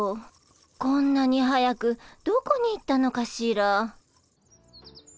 こんなに早くどこに行ったのかしら。